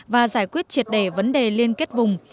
và giải quyết triệt đề vấn đề liên kết vùng